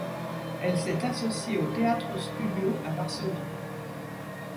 Elle s’est associée au Théâtre Studio à Varsovie.